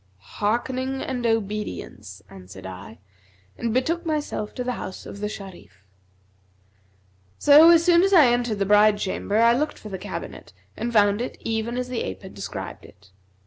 'Hearkening and obedience,' answered I, and betook myself to the house of the Sharif. So as soon as I entered the bride chamber, I looked for the cabinet and found it even as the ape had described it.